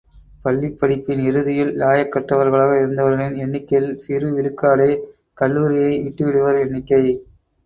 பள்ளிப் படிப்பின் இறுதியில் இலாயக்கற்றவர்களாக இருந்தவர்களின் எண்ணிக்கையில் சிறு விழுக்காடே கல்லூரியை விட்டுவிடுவோர் எண்ணிக்கை.